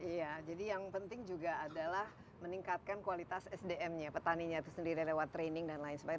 iya jadi yang penting juga adalah meningkatkan kualitas sdm nya petaninya itu sendiri lewat training dan lain sebagainya